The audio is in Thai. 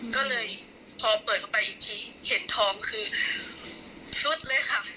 ก็เลยพอเปิดเข้าไปอีกทีเห็นทองคือซุดเลยค่ะ